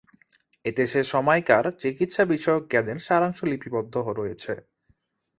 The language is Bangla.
এতে সে সময়কার চিকিৎসা বিষয়ক জ্ঞানের সারাংশ লিপিবদ্ধ রয়েছে।